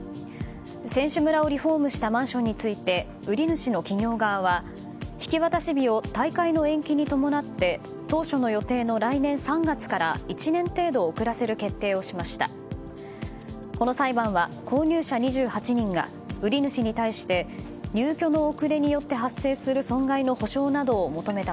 選手村をリフォームしたマンションについて売り主の企業側は引き渡し日を大会の延期に伴って当初の予定の来年３月から１年程度遅らせる決定をしました。